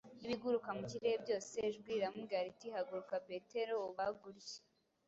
n’ibiguruka mu kirerere byose. Ijwi riramubwira riti: “Haguruka Petero, ubage urye.”